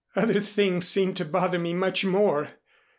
Other things seem to bother me much more.